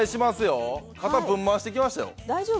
肩ぶん回してきましたよ。